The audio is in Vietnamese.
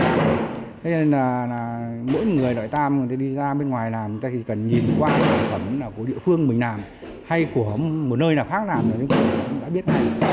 thế nên là mỗi người đợi tam đi ra bên ngoài làm người ta cần nhìn qua những sản phẩm của địa phương mình làm hay của một nơi nào khác làm rồi mình cũng đã biết